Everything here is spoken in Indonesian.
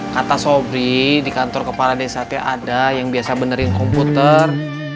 kata sobri di kantor kepala desa itu ada yang biasa benerin komputer